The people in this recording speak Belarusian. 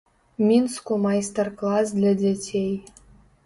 Мінску майстар-клас для дзяцей.